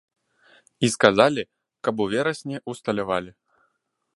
І сказалі, каб у верасні ўсталявалі.